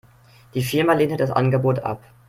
Die Firma lehnte das Angebot ab.